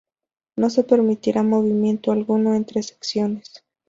No se permitirá movimiento alguno entre secciones.